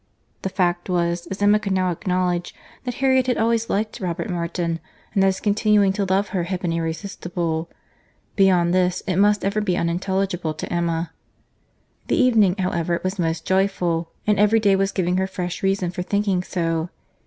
—The fact was, as Emma could now acknowledge, that Harriet had always liked Robert Martin; and that his continuing to love her had been irresistible.—Beyond this, it must ever be unintelligible to Emma. The event, however, was most joyful; and every day was giving her fresh reason for thinking so.